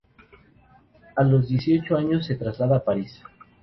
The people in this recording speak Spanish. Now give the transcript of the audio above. A los dieciocho años se traslada a París.